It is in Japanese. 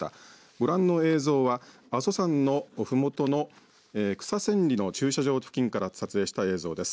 ご覧の映像は阿蘇山のふもとの草千里の駐車場付近から撮影した映像です。